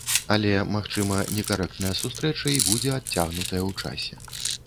Але, магчыма, некарэктная сустрэча і будзе адцягнутая ў часе.